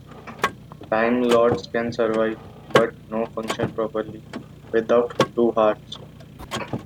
Time Lords can survive, but not function properly, without two hearts.